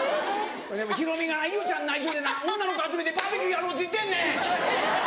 「ヒロミが伊代ちゃんに内緒でな女の子集めてバーベキューやろうって言ってんねん！」。